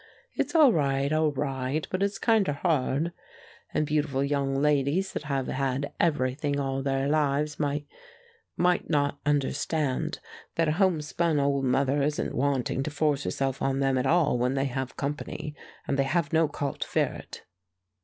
It's all right, all right, but it's kinder hard. And beautiful young ladies that have had everything all their lives might might not understand that a homespun old mother isn't wanting to force herself on them at all when they have company, and they have no call to fear it."